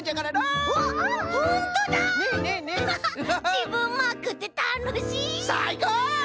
じぶんマークってたのしい！さいこう！